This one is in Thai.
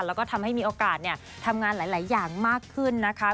แล้วก็ทำให้มีโอกาสทำงานหลายอย่างมากขึ้นนะคะ